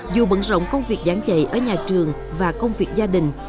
dù bận rộng công việc giảng dạy ở nhà trường và công việc gia đình